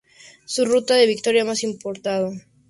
En ruta su victoria más importando fue al Tour del Oise.